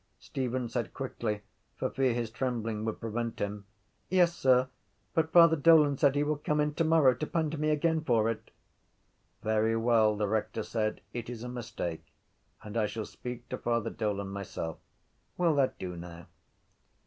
Stephen said quickly for fear his trembling would prevent him: —Yes, sir, but Father Dolan said he will come in tomorrow to pandy me again for it. —Very well, the rector said, it is a mistake and I shall speak to Father Dolan myself. Will that do now?